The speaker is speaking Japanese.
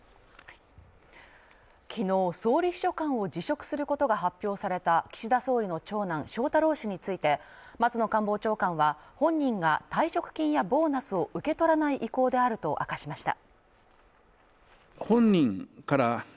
昨日総理秘書官を辞職することが発表された岸田総理の長男・翔太郎氏について松野官房長官は本人が退職金やボーナスを受け取らない意向であると明かしました。